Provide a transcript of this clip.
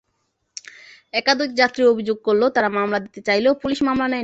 একাধিক যাত্রী অভিযোগ করেন, তাঁরা মামলা দিতে চাইলেও পুলিশ মামলা নেয়নি।